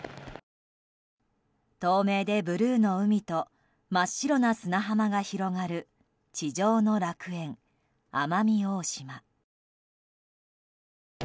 透明でブルーの海と真っ白な砂浜が広がる地上の楽園、奄美大島。